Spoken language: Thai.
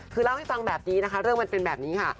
คือเล่าให้ฟังแบบนี้นะคะเรื่องมันเป็นแบบนี้ค่ะ